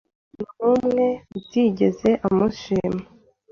Nta muntu n'umwe utigeze amushima